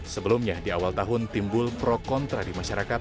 sebelumnya di awal tahun timbul pro kontra di masyarakat